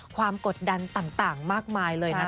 ความกดดันต่างมากมายเลย